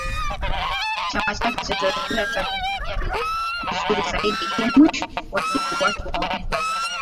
chama chake na Serikali atavitumia vizuri zaidi ili mwisho wa siku watu waone mabadiliko